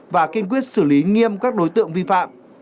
và kiên quyết xử lý nghiêm các đối tượng vi phạm